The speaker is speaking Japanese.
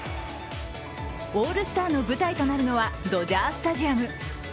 オールスターの舞台となるのはドジャースタジアム。